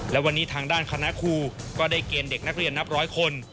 และวันนี้ทางด้านคณะครูก็ได้เกณฑ์เด็กนักเรียนนับร้อยคน